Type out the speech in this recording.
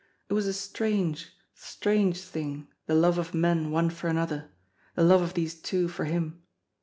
It was a strange, strange tiling, the love of men one for another the love of these two for him.